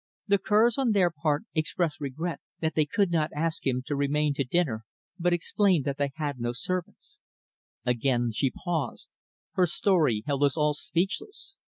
The Kerrs, on their part, expressed regret that they could not ask him to remain to dinner, but explained that they had no servants." Again she paused. Her story held us all speechless.